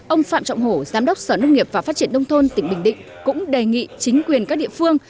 ông phạm trọng hổ giám đốc sở nông nghiệp và phát triển nông thôn tỉnh bình định cũng đề nghị chính quyền các địa phương